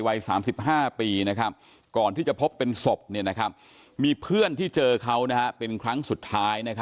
วัย๓๕ปีก่อนที่จะพบเป็นศพมีเพื่อนที่เจอเขาเป็นครั้งสุดท้าย